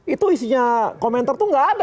itu isinya komentar itu nggak ada